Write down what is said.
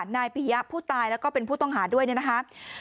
นายปียะผู้ตายแล้วก็เป็นผู้ต้องหาด้วยนะครับ